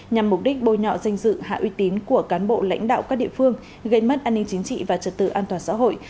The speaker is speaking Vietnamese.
nhằm mục đích bôi nhọ danh dự hạ uy tín của cán bộ lãnh đạo các địa phương gây mất an ninh chính trị và trật tự an toàn xã hội